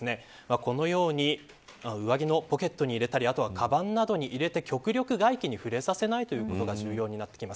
このように上着のポケットに入れたりあとはかばんなどに入れて極力外気に触れさせないことが重要になります。